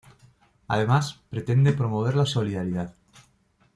Además, pretende promover la solidaridad.